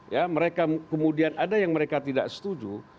ya mereka kemudian ada yang mereka tidak setuju